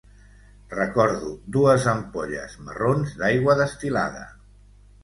Recordo dues ampolles marrons d'aigua destil·lada.